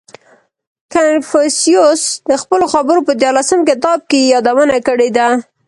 • کنفوسیوس د خپلو خبرو په دیارلسم کتاب کې یې یادونه کړې ده.